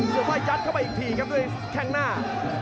ส่วนมากยัดเข้าไปอีกทีครับด้วยแข้งหน้า